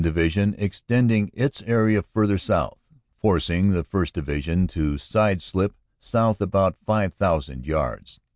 Division extending its area further south, forcing the 1st. Division to side slip south about 5,000 yards.